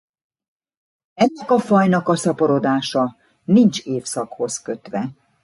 Ennek a fajnak a szaporodása nincs évszakhoz kötve.